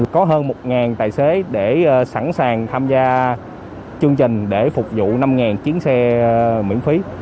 có hơn một tài xế để sẵn sàng tham gia chương trình để phục vụ năm chuyến xe miễn phí